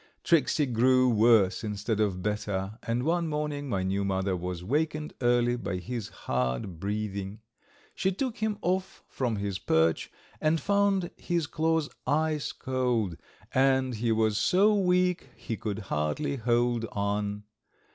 Tricksey grew worse instead of better, and one morning my new mother was wakened early by his hard breathing. She took him off from his perch and found his claws ice cold, and he was so weak he could hardly hold on.